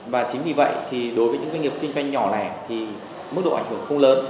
và chính vì vậy thì đối với những doanh nghiệp kinh doanh nhỏ lẻ thì mức độ ảnh hưởng không lớn